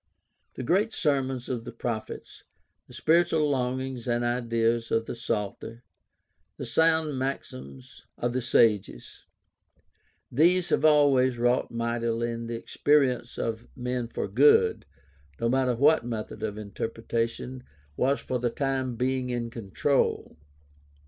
The great sermons of the prophets, the spiritual longings and ideals of the Psalter, the sound maxims of the sages — ^these have always wrought mightily in the experience of men for good, no matter what method of interpretation was for the time being in control.